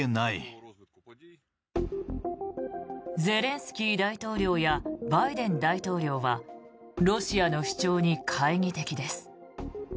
ゼレンスキー大統領やバイデン大統領はロシアの主張に懐疑的です。